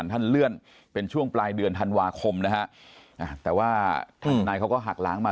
ท่านเลื่อนเป็นช่วงปลายเดือนธันวาคมนะฮะแต่ว่าทางทนายเขาก็หักล้างมา